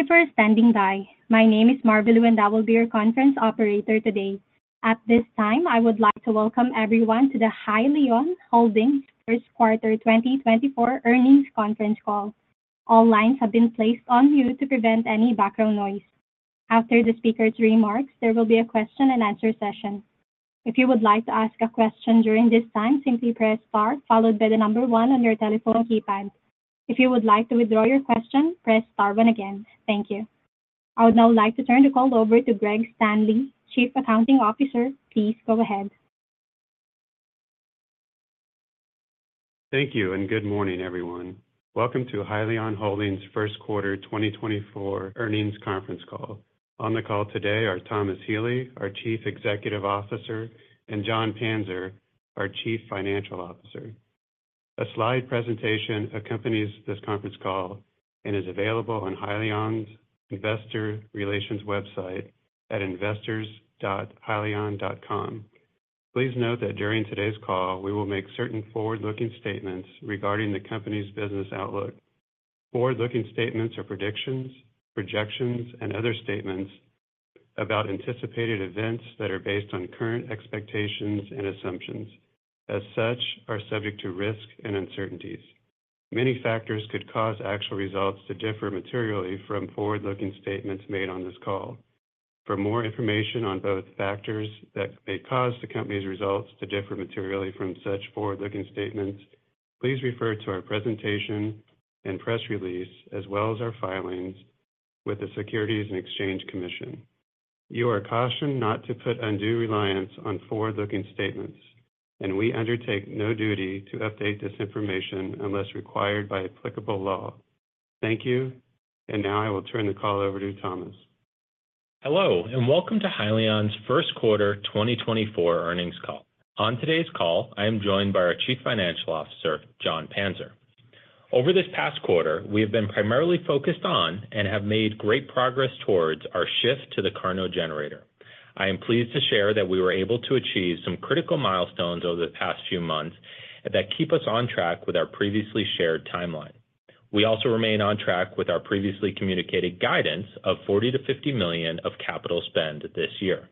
Thank you for standing by. My name is Marvela, and I will be your conference operator today. At this time, I would like to welcome everyone to the Hyliion Holdings first quarter 2024 earnings conference call. All lines have been placed on mute to prevent any background noise. After the speaker's remarks, there will be a question and answer session. If you would like to ask a question during this time, simply press Star followed by the number one on your telephone keypad. If you would like to withdraw your question, press Star one again. Thank you. I would now like to turn the call over to Greg Standley, Chief Accounting Officer. Please go ahead. Thank you, and good morning, everyone. Welcome to Hyliion Holdings first quarter 2024 earnings conference call. On the call today are Thomas Healy, our Chief Executive Officer, and Jon Panzer, our Chief Financial Officer. A slide presentation accompanies this conference call and is available on Hyliion's investor relations website at investors.hyliion.com. Please note that during today's call, we will make certain forward-looking statements regarding the company's business outlook. Forward-looking statements or predictions, projections, and other statements about anticipated events that are based on current expectations and assumptions, as such, are subject to risk and uncertainties. Many factors could cause actual results to differ materially from forward-looking statements made on this call. For more information on both factors that may cause the company's results to differ materially from such forward-looking statements, please refer to our presentation and press release, as well as our filings with the Securities and Exchange Commission. You are cautioned not to put undue reliance on forward-looking statements, and we undertake no duty to update this information unless required by applicable law. Thank you, and now I will turn the call over to Thomas. Hello, and welcome to Hyliion's first quarter 2024 earnings call. On today's call, I am joined by our Chief Financial Officer, Jon Panzer. Over this past quarter, we have been primarily focused on and have made great progress towards our shift to the KARNO generator. I am pleased to share that we were able to achieve some critical milestones over the past few months that keep us on track with our previously shared timeline. We also remain on track with our previously communicated guidance of $40 million-$50 million of capital spend this year.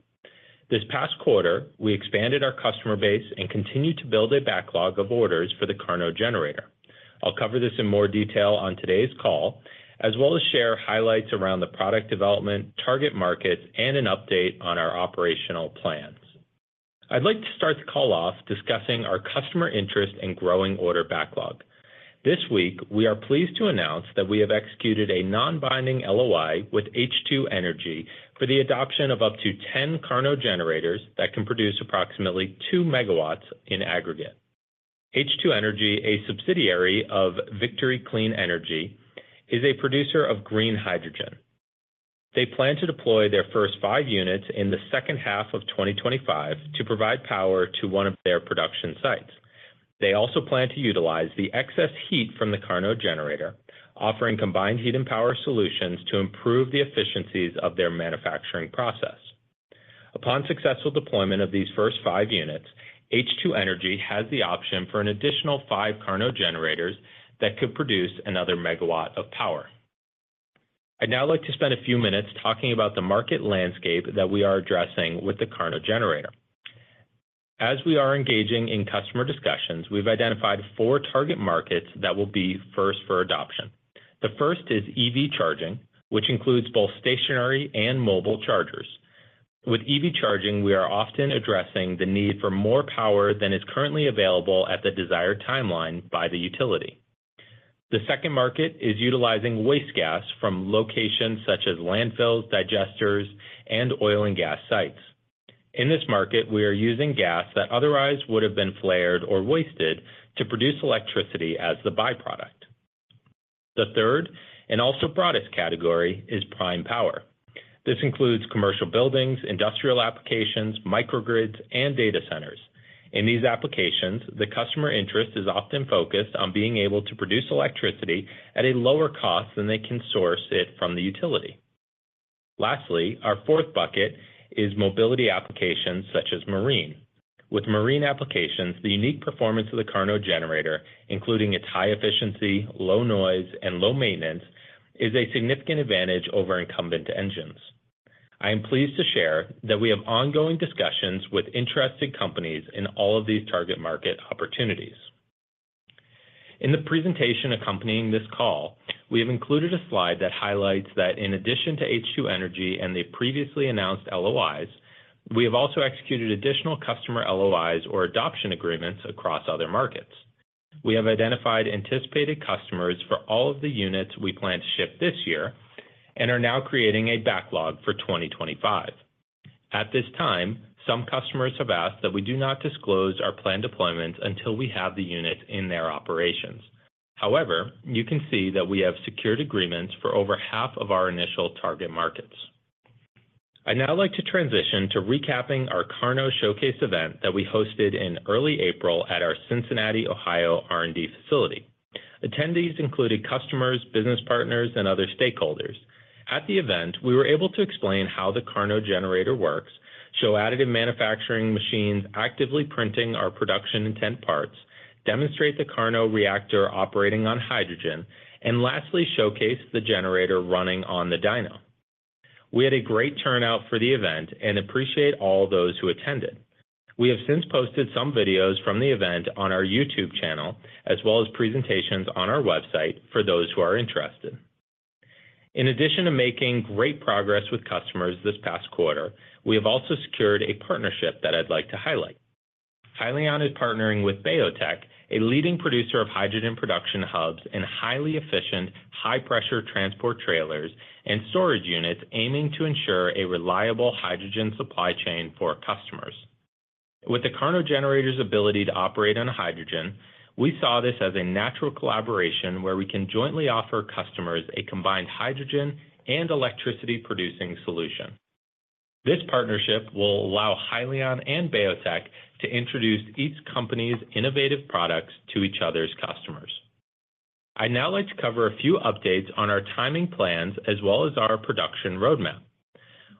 This past quarter, we expanded our customer base and continued to build a backlog of orders for the KARNO generator. I'll cover this in more detail on today's call, as well as share highlights around the product development, target markets, and an update on our operational plans. I'd like to start the call off discussing our customer interest and growing order backlog. This week, we are pleased to announce that we have executed a non-binding LOI with H2 Energy for the adoption of up to 10 KARNO generators that can produce approximately 2 MW in aggregate. H2 Energy, a subsidiary of Victory Clean Energy, is a producer of green hydrogen. They plan to deploy their first five units in the second half of 2025 to provide power to one of their production sites. They also plan to utilize the excess heat from the KARNO generator, offering combined heat and power solutions to improve the efficiencies of their manufacturing process. Upon successful deployment of these first five units, H2 Energy has the option for an additional five KARNO generators that could produce another 1 MW of power. I'd now like to spend a few minutes talking about the market landscape that we are addressing with the KARNO generator. As we are engaging in customer discussions, we've identified four target markets that will be first for adoption. The first is EV charging, which includes both stationary and mobile chargers. With EV charging, we are often addressing the need for more power than is currently available at the desired timeline by the utility. The second market is utilizing waste gas from locations such as landfills, digesters, and oil and gas sites. In this market, we are using gas that otherwise would have been flared or wasted to produce electricity as the byproduct. The third, and also broadest category, is prime power. This includes commercial buildings, industrial applications, microgrids, and data centers. In these applications, the customer interest is often focused on being able to produce electricity at a lower cost than they can source it from the utility. Lastly, our fourth bucket is mobility applications such as marine. With marine applications, the unique performance of the KARNO generator, including its high efficiency, low noise, and low maintenance, is a significant advantage over incumbent engines. I am pleased to share that we have ongoing discussions with interested companies in all of these target market opportunities. In the presentation accompanying this call, we have included a slide that highlights that in addition to H2Energy and the previously announced LOIs, we have also executed additional customer LOIs or adoption agreements across other markets. We have identified anticipated customers for all of the units we plan to ship this year and are now creating a backlog for 2025. At this time, some customers have asked that we do not disclose our planned deployments until we have the units in their operations. However, you can see that we have secured agreements for over half of our initial target markets. I'd now like to transition to recapping our KARNO showcase event that we hosted in early April at our Cincinnati, Ohio, R&D facility. Attendees included customers, business partners, and other stakeholders. At the event, we were able to explain how the KARNO generator works, show additive manufacturing machines actively printing our production intent parts, demonstrate the KARNO reactor operating on hydrogen, and lastly, showcase the generator running on the dyno. We had a great turnout for the event and appreciate all those who attended. We have since posted some videos from the event on our YouTube channel, as well as presentations on our website for those who are interested. In addition to making great progress with customers this past quarter, we have also secured a partnership that I'd like to highlight. Hyliion is partnering with BayoTech, a leading producer of hydrogen production hubs and highly efficient, high-pressure transport trailers and storage units, aiming to ensure a reliable hydrogen supply chain for our customers. With the KARNO generator's ability to operate on hydrogen, we saw this as a natural collaboration where we can jointly offer customers a combined hydrogen and electricity-producing solution. This partnership will allow Hyliion and BayoTech to introduce each company's innovative products to each other's customers. I'd now like to cover a few updates on our timing plans as well as our production roadmap.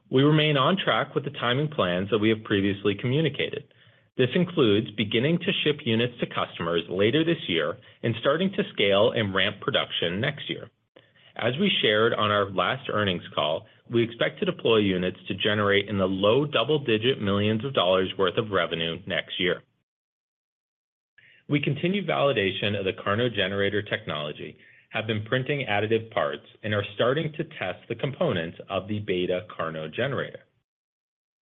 We remain on track with the timing plans that we have previously communicated. This includes beginning to ship units to customers later this year and starting to scale and ramp production next year. As we shared on our last earnings call, we expect to deploy units to generate $ in the low double-digit millions worth of revenue next year. We continue validation of the KARNO generator technology, have been printing additive parts, and are starting to test the components of the beta KARNO generator.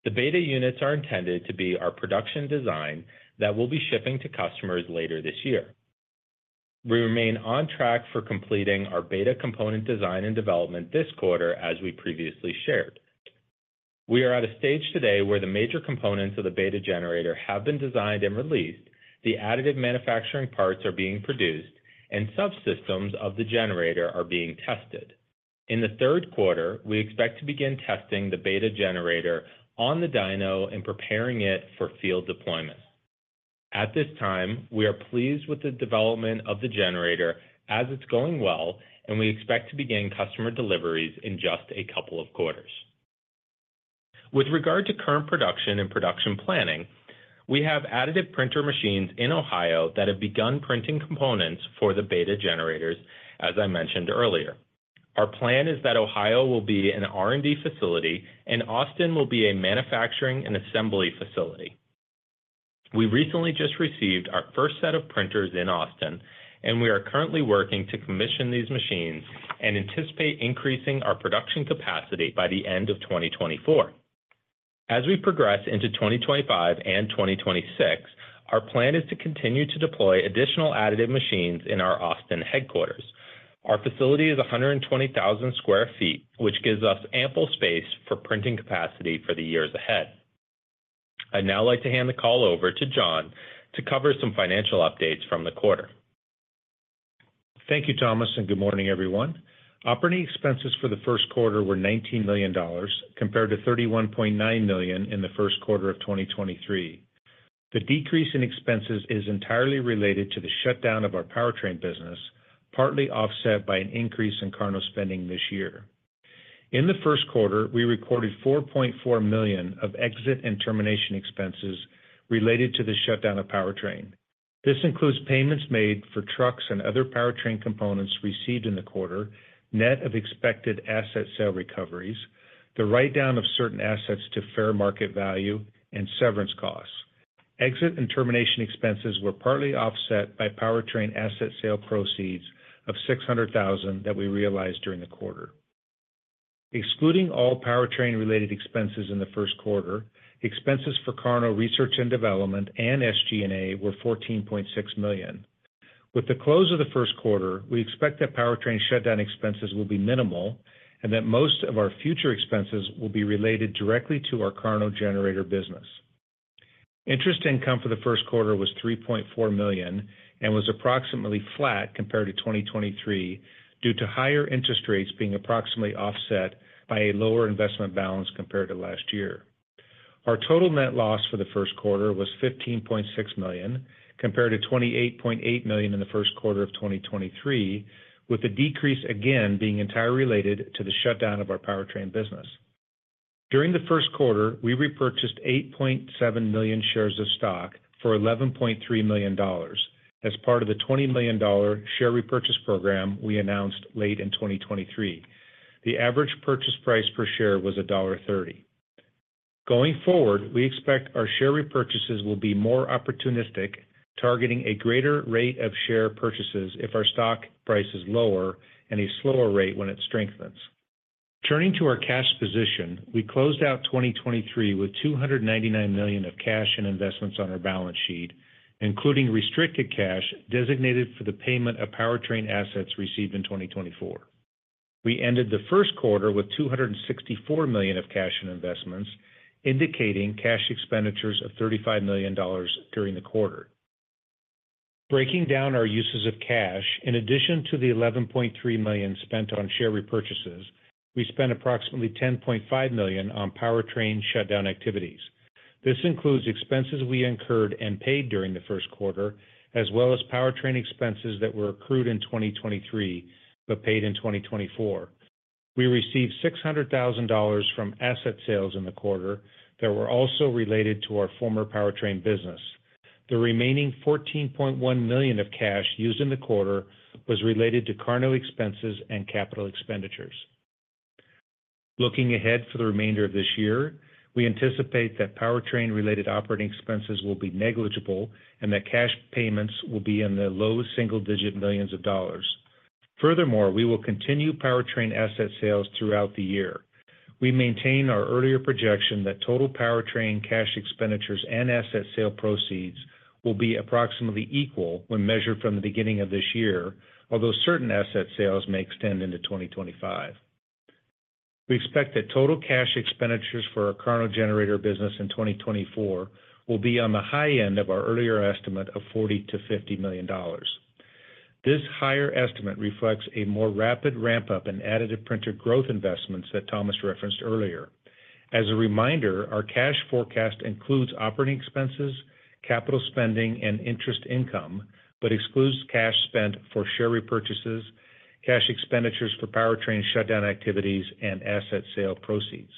The beta units are intended to be our production design that we'll be shipping to customers later this year. We remain on track for completing our beta component design and development this quarter, as we previously shared. We are at a stage today where the major components of the beta generator have been designed and released, the additive manufacturing parts are being produced, and subsystems of the generator are being tested. In the third quarter, we expect to begin testing the beta generator on the dyno and preparing it for field deployment. At this time, we are pleased with the development of the generator as it's going well, and we expect to begin customer deliveries in just a couple of quarters. With regard to current production and production planning, we have additive printer machines in Ohio that have begun printing components for the beta generators, as I mentioned earlier. Our plan is that Ohio will be an R&D facility, and Austin will be a manufacturing and assembly facility. We recently just received our first set of printers in Austin, and we are currently working to commission these machines and anticipate increasing our production capacity by the end of 2024. As we progress into 2025 and 2026, our plan is to continue to deploy additional additive machines in our Austin headquarters. Our facility is 120,000 sq ft, which gives us ample space for printing capacity for the years ahead. I'd now like to hand the call over to Jon to cover some financial updates from the quarter. Thank you, Thomas, and good morning, everyone. Operating expenses for the first quarter were $19 million, compared to $31.9 million in the first quarter of 2023. The decrease in expenses is entirely related to the shutdown of our powertrain business, partly offset by an increase in KARNO spending this year. In the first quarter, we recorded $4.4 million of exit and termination expenses related to the shutdown of powertrain. This includes payments made for trucks and other powertrain components received in the quarter, net of expected asset sale recoveries, the write-down of certain assets to fair market value, and severance costs. Exit and termination expenses were partly offset by powertrain asset sale proceeds of $600,000 that we realized during the quarter. Excluding all powertrain-related expenses in the first quarter, expenses for KARNO research and development and SG&A were $14.6 million. With the close of the first quarter, we expect that powertrain shutdown expenses will be minimal and that most of our future expenses will be related directly to our KARNO generator business. Interest income for the first quarter was $3.4 million and was approximately flat compared to 2023, due to higher interest rates being approximately offset by a lower investment balance compared to last year. Our total net loss for the first quarter was $15.6 million, compared to $28.8 million in the first quarter of 2023, with the decrease again being entirely related to the shutdown of our powertrain business. During the first quarter, we repurchased 8.7 million shares of stock for $11.3 million as part of the $20 million share repurchase program we announced late in 2023. The average purchase price per share was $1.30. Going forward, we expect our share repurchases will be more opportunistic, targeting a greater rate of share purchases if our stock price is lower and a slower rate when it strengthens. Turning to our cash position, we closed out 2023 with $299 million of cash and investments on our balance sheet, including restricted cash designated for the payment of powertrain assets received in 2024. We ended the first quarter with $264 million of cash and investments, indicating cash expenditures of $35 million during the quarter. Breaking down our uses of cash, in addition to the $11.3 million spent on share repurchases, we spent approximately $10.5 million on powertrain shutdown activities. This includes expenses we incurred and paid during the first quarter, as well as powertrain expenses that were accrued in 2023, but paid in 2024. We received $600,000 from asset sales in the quarter that were also related to our former powertrain business. The remaining $14.1 million of cash used in the quarter was related to KARNO expenses and capital expenditures. Looking ahead for the remainder of this year, we anticipate that powertrain-related operating expenses will be negligible and that cash payments will be in the low single-digit millions of dollars. Furthermore, we will continue powertrain asset sales throughout the year. We maintain our earlier projection that total powertrain cash expenditures and asset sale proceeds will be approximately equal when measured from the beginning of this year, although certain asset sales may extend into 2025. We expect that total cash expenditures for our KARNO generator business in 2024 will be on the high end of our earlier estimate of $40 million-$50 million. This higher estimate reflects a more rapid ramp-up in additive printing growth investments that Thomas referenced earlier. As a reminder, our cash forecast includes operating expenses, capital spending, and interest income, but excludes cash spent for share repurchases, cash expenditures for powertrain shutdown activities, and asset sale proceeds.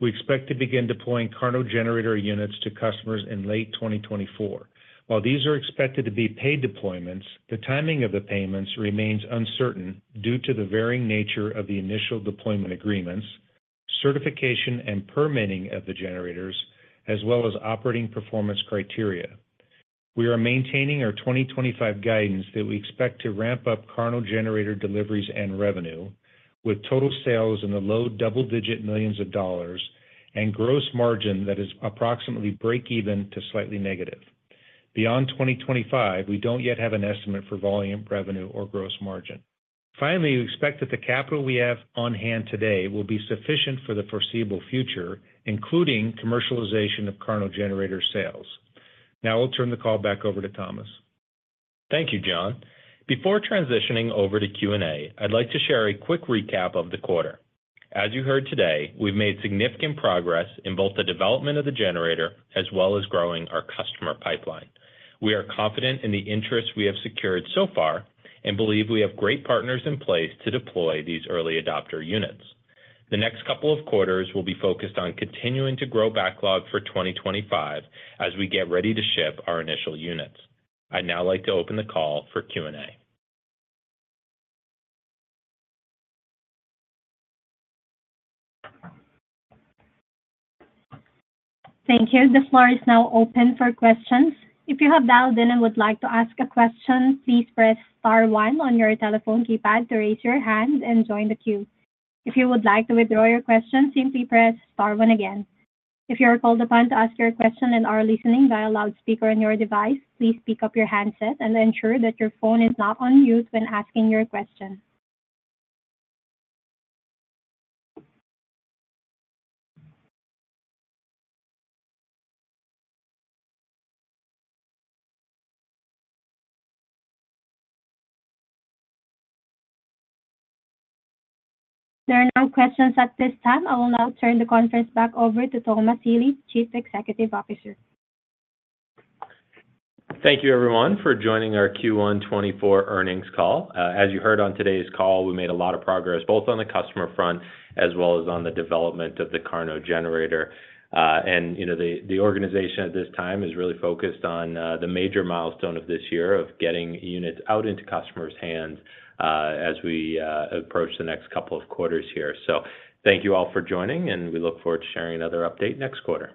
We expect to begin deploying KARNO generator units to customers in late 2024. While these are expected to be paid deployments, the timing of the payments remains uncertain due to the varying nature of the initial deployment agreements, certification and permitting of the generators, as well as operating performance criteria. We are maintaining our 2025 guidance that we expect to ramp up KARNO generator deliveries and revenue, with total sales in the low double-digit $ millions and gross margin that is approximately breakeven to slightly negative. Beyond 2025, we don't yet have an estimate for volume, revenue, or gross margin. Finally, we expect that the capital we have on hand today will be sufficient for the foreseeable future, including commercialization of KARNO generator sales. Now I'll turn the call back over to Thomas. Thank you, Jon. Before transitioning over to Q&A, I'd like to share a quick recap of the quarter. As you heard today, we've made significant progress in both the development of the generator as well as growing our customer pipeline. We are confident in the interest we have secured so far and believe we have great partners in place to deploy these early adopter units. The next couple of quarters will be focused on continuing to grow backlog for 2025 as we get ready to ship our initial units. I'd now like to open the call for Q&A. Thank you. The floor is now open for questions. If you have dialed in and would like to ask a question, please press star one on your telephone keypad to raise your hand and join the queue. If you would like to withdraw your question, simply press star one again. If you are called upon to ask your question and are listening via loudspeaker on your device, please pick up your handset and ensure that your phone is not on mute when asking your question. There are no questions at this time. I will now turn the conference back over to Thomas Healy, Chief Executive Officer. Thank you, everyone, for joining our Q1 2024 earnings call. As you heard on today's call, we made a lot of progress, both on the customer front as well as on the development of the KARNO generator. And, you know, the organization at this time is really focused on the major milestone of this year of getting units out into customers' hands, as we approach the next couple of quarters here. So thank you all for joining, and we look forward to sharing another update next quarter.